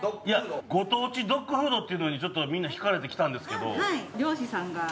ご当地ドッグフードっていうのにみんな引かれて来たんですけど。